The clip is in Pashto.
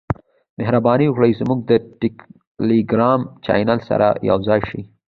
مهرباني وکړئ زموږ د ټیلیګرام چینل سره یوځای شئ .